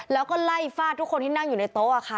แล้วก็ไล่ฟาดทุกคนที่นั่งอยู่ในโต๊ะค่ะ